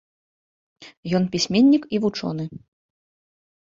Ён пісьменнік і вучоны.